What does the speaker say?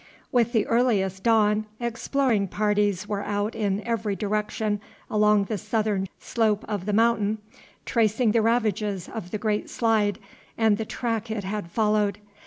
With the earliest dawn exploring parties were out in every direction along the southern slope of The Mountain, tracing the ravages of the great slide and the track it had followed.